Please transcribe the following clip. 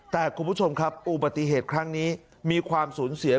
แต่คุณผู้ชมครับอุบัติเหตุครั้งนี้มีความสูญเสีย